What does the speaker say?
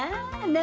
何？